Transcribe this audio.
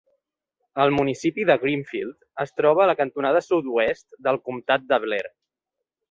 El municipi de Greenfield es troba a la cantonada sud-oest del comptat de Blair.